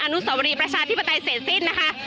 อนุสวรีประชาธิปไตยเสร็จสิ้นนะคะ